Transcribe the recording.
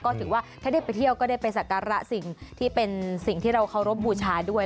ก็ถือว่าถ้าได้ไปเที่ยวก็ได้ไปสักการะสิ่งที่เป็นสิ่งที่เราเคารพบูชาด้วย